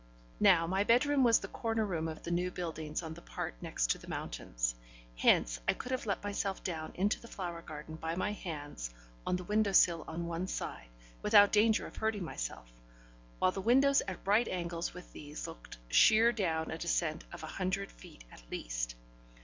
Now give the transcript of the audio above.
Now my bedroom was the corner room of the new buildings on the part next to the mountains. Hence I could have let myself down into the flower garden by my hands on the window sill on one side, without danger of hurting myself; while the windows at right angles with these looked sheer down a descent of a hundred feet at least.